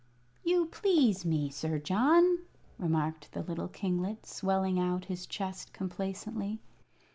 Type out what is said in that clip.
"You please me, Sir John," remarked the little kinglet, swelling out his chest complacently.